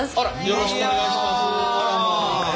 よろしくお願いします。